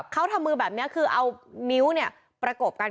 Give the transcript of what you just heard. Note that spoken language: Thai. เขาทำมือแบบนี้คือเอานิ้วประกบกัน